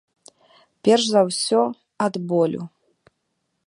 Перш за ўсё, ад болю.